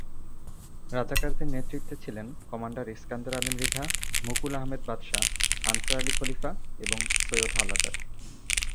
রাজাকারদের নেতৃত্বে ছিলেন কমান্ডার ইস্কান্দার আলী মৃধা, মুকুল আহমেদ বাদশা, আনসার আলী খলিফা এবং সৈয়দ হাওলাদার।